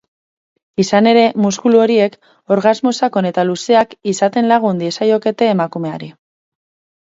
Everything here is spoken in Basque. Izan ere, muskulu horiek orgasmo sakon eta luzeak izaten lagun diezaiokete emakumeari.